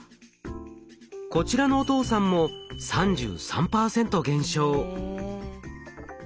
こちらのお父さんも３３％減少。